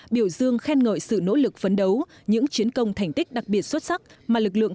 biểu dương khen ngợi sự nỗ lực phấn đấu những chiến công thành tích đặc biệt xuất sắc mà lực lượng